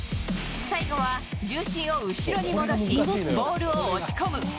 最後は重心を後ろに戻し、ボールを押し込む。